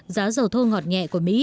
giá dầu thô ngọt nhẹ của mỹ